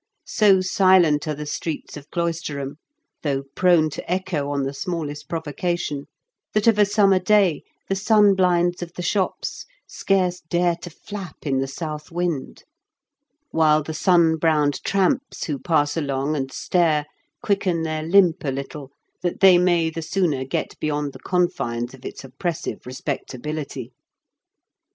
So silent are the streets of Cloisterham (though prone to echo on the smallest provocation), that of a summer day the sun blinds of the shops scarce dare to flap in the south wind ; while the sun browned tramps who pass along and stare quicken their limp a little, that they may the sooner get beyond the confines of its oppressive respectability.